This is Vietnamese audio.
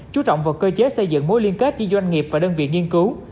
chú trọng vào cơ chế xây dựng mối liên kết giữa doanh nghiệp và đơn vị nghiên cứu